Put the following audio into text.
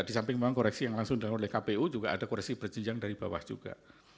di samping memang koreksi yang langsung dilakukan oleh kpu juga ada koreksi berjenjang dari bawah juga